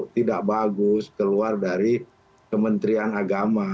tidak bagus keluar dari kementerian agama